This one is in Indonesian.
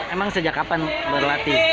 emang sejak kapan berlatih